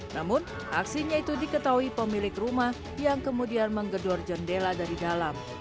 namun aksinya itu diketahui pemilik rumah yang kemudian menggedor jendela dari dalam